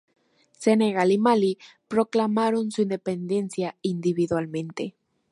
Senegal y Malí proclamaron su independencia individualmente.